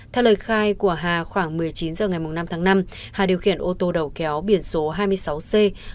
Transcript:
theo lời khai của hà khoảng một mươi chín h ngày năm tháng năm hà điều khiển ô tô đầu kéo biển số hai mươi sáu c ba nghìn bảy trăm ba mươi bảy